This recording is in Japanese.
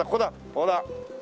ほら。